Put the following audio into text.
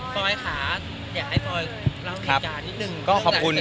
ปลอยค่ะอยากให้ปอยเล่าเหตุการณ์นิดนึง